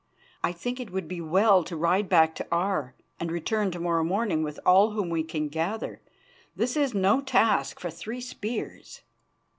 "I think it would be well to ride back to Aar, and return to morrow morning with all whom we can gather. This is no task for three spears."